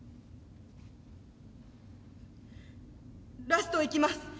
ラストいきます。